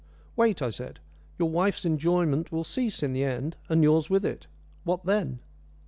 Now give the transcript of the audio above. "Wait," I said, "your wife's enjoyment will cease in the end, and yours with it. What then?"